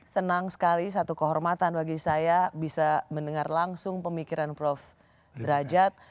senang sekali satu kehormatan bagi saya bisa mendengar langsung pemikiran prof derajat